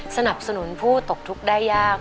สนับสนุนผู้ตกทุกข์ได้ยาก